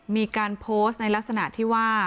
มีการโพสต์ในลักษณะที่ว่า